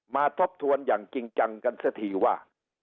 ทบทวนอย่างจริงจังกันสักทีว่า